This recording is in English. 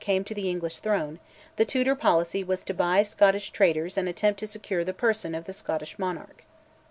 came to the English throne, the Tudor policy was to buy Scottish traitors, and attempt to secure the person of the Scottish monarch.